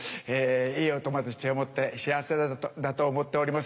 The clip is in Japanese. いいお友達を持って幸せだと思っております。